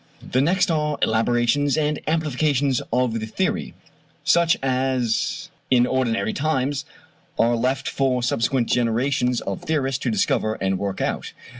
The next are elaborations and amplifications of the theory, such as in ordinary times are left for subsequent generations of theorists to discover and work out.